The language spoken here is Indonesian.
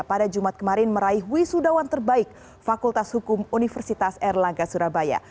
pada jumat kemarin meraih wisudawan terbaik fakultas hukum universitas erlangga surabaya